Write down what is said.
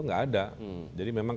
tidak ada jadi memang